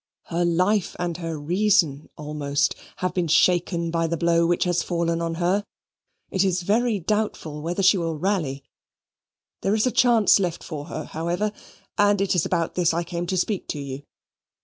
Her life and her reason almost have been shaken by the blow which has fallen on her. It is very doubtful whether she will rally. There is a chance left for her, however, and it is about this I came to speak to you.